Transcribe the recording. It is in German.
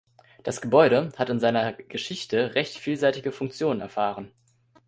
Das Gebäude hat in seiner Geschichte recht vielseitige Funktionen erfahren.